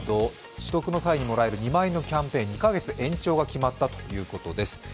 取得の際にもらえる２万円のキャンペーン、２か月延長が決まったということです。